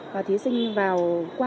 và thí sinh vào qua